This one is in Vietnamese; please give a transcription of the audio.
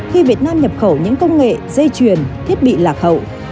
khi việt nam nhập khẩu những công nghệ dây chuyền thiết bị lạc hậu